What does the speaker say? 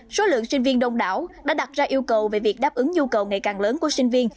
số lượng sinh viên đông đảo đã đặt ra yêu cầu về việc đáp ứng nhu cầu ngày càng lớn của sinh viên